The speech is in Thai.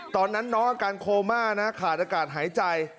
ตอนนั้นน้องอาการโคม่านะขาดอากาศหายใจ